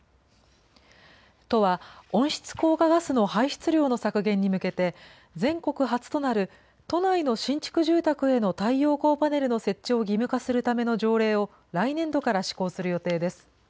都は温室効果ガスの排出量の削減に向けて、全国初となる都内の新築住宅への太陽光パネルの設置を義務化するための条例を、来年度から施行する予定です。